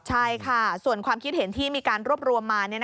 ใช่ค่ะส่วนความคิดเห็นที่มีการรวบรวมมา